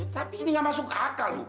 tapi ini nggak masuk akal loh